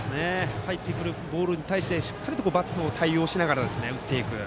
入ってくるボールに対してしっかりバットで対応しながら打っていく。